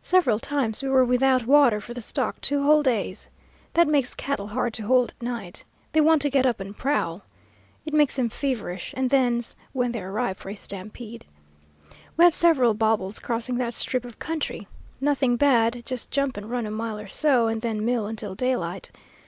Several times we were without water for the stock two whole days. That makes cattle hard to hold at night. They want to get up and prowl it makes them feverish, and then's when they are ripe for a stampede. We had several bobles crossing that strip of country; nothing bad, just jump and run a mile or so, and then mill until daylight.